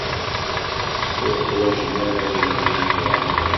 Ur ḥwajen ara idrimen imir-a.